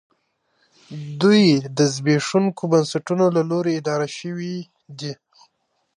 دوی د زبېښونکو بنسټونو له لوري اداره شوې دي